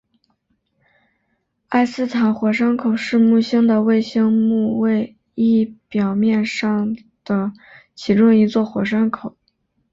埃斯坦火山口是木星的卫星木卫一表面上的其中一座火山口。